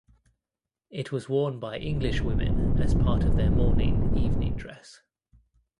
It was worn by English women as part of their mourning evening dress.